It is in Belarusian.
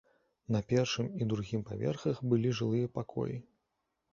На першым і другім паверхах былі жылыя пакоі.